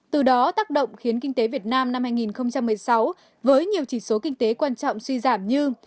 từ đó tác động khiến kinh tế việt nam năm hai nghìn một mươi sáu với nhiều chỉ số kinh tế quan trọng suy giảm như